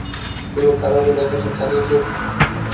তিনি তার অভিনয় পেশা চালিয়ে গিয়েছেন।